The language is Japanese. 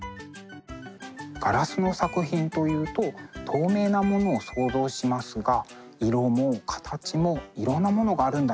ガラスの作品というと透明なものを想像しますが色も形もいろんなものがあるんだなということが分かりました。